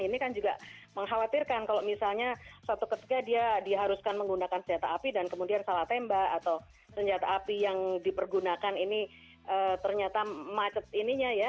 ini kan juga mengkhawatirkan kalau misalnya suatu ketika dia diharuskan menggunakan senjata api dan kemudian salah tembak atau senjata api yang dipergunakan ini ternyata macet ininya ya